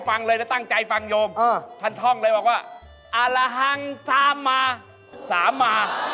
ไปจองสารางน่ะบ้า